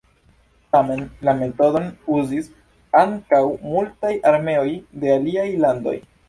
Tamen la metodon uzis ankaŭ multaj armeoj de aliaj landoj.